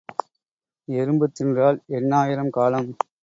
எறும்பு தின்றால் எண்ணாயிரம் காலம்.